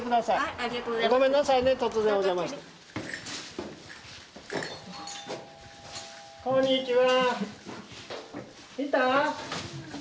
あこんにちは。